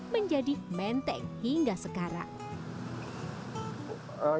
menjadi menteng hingga sekarang